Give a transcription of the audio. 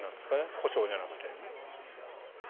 故障じゃなくて。